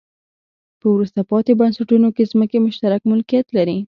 په وروسته پاتې بنسټونو کې ځمکې مشترک ملکیت لري.